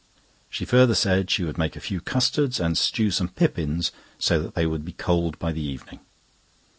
She further said she would make a few custards, and stew some pippins, so that they would be cold by the evening.